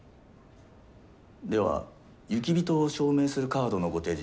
では雪人を証明するカードのご提示